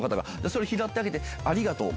それ拾ってあげて、ありがとう。